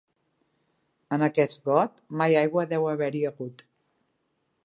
En aquest got mai aigua deu haver-hi hagut.